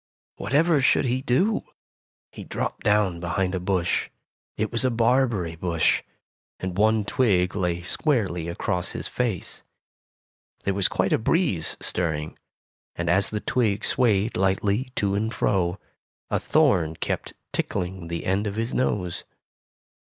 Whatever should he do ? He dropped down behind a bush. It was a barberry bush, and one twig lay squarely across his face. There was quite a breeze stirring, and as the twig swayed lightly to and fro, a thorn kept tickling the end of his nose.